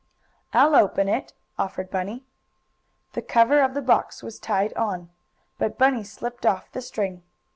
"I'll open it," offered Bunny. The cover of the box was tied on, but Bunny slipped off the string.